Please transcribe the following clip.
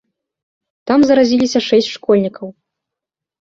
Там заразіліся шэсць школьнікаў.